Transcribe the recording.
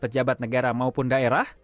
jabat negara maupun daerah